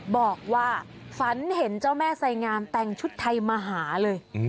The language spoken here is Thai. บอกว่าฝันเห็นเจ้าแม่ไสงามแต่งชุดไทยมาหาเลย